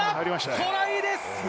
トライです！